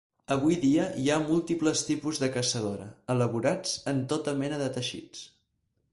Avui dia hi ha múltiples tipus de caçadora, elaborats en tota mena de teixits.